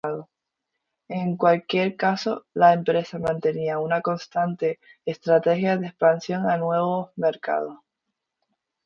En cualquier caso, la empresa mantiene una constante estrategia de expansión a nuevos mercados.